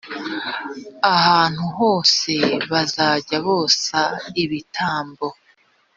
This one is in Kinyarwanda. ahantu hose bazajya bosa ibitambo